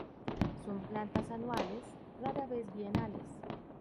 Son plantas anuales, rara vez bienales.